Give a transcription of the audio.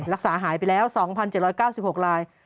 รักษาหายไปแล้ว๒๗๙๖ราย